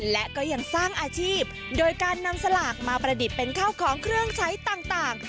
และก็ยังสร้างอาชีพโดยการนำสลากมาประดิษฐ์เป็นข้าวของเครื่องใช้ต่าง